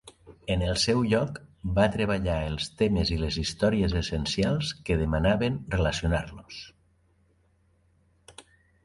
En el seu lloc, va treballar els temes i les històries essencials que demanaven relacionar-los.